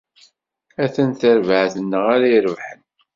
Atan d tarbaɛt-nneɣ ara irebḥen.